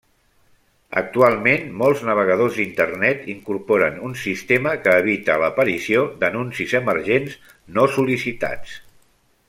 Actualment, molts navegadors d'Internet incorporen un sistema que evita l'aparició d'anuncis emergents no sol·licitats.